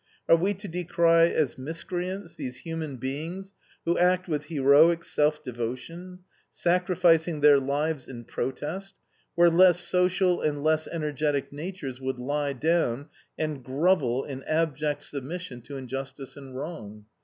Are we to decry as miscreants these human beings who act with heroic self devotion, sacrificing their lives in protest, where less social and less energetic natures would lie down and grovel in abject submission to injustice and wrong?